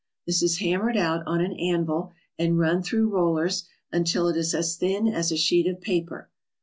This is hammered out on an anvil and run through rollers until it is as thin as a sheet of paper.